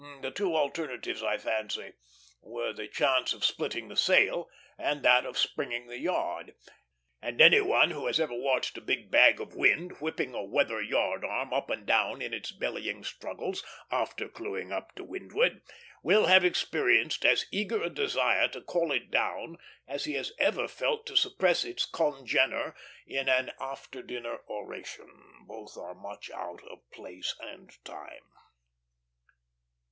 The two alternatives, I fancy, were the chance of splitting the sail, and that of springing the yard; and any one who has ever watched a big bag of wind whipping a weather yard arm up and down in its bellying struggles, after clewing up to windward, will have experienced as eager a desire to call it down as he has ever felt to suppress its congener in an after dinner oration. Both are much out of place and time.